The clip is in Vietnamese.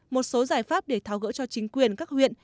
một số giải pháp để tháo gỡ cho chính quyền các huyện